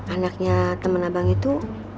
anaknya temen abang itu